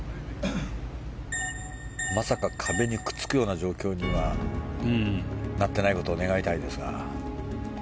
まさか壁にくっつくような状況にはなってないことを願いたいです。